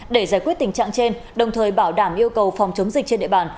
để giải quyết tình trạng trên đồng thời bảo đảm yêu cầu phòng chống dịch trên địa bàn